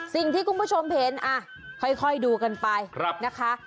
สิ่งที่คุณผู้ชมเห็นค่อยดูกันไปนะคะ